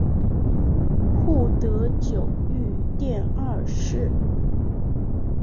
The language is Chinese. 护得久御殿二世。